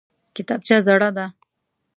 کتابچه زړه ده!